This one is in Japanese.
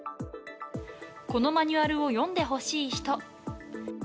このマニュアルを読んでほしい人。